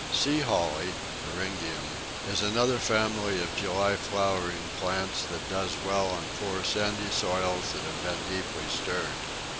Sea holly (Eryngium) is another family of July flowering plants that does well on poor, sandy soils that have been deeply stirred.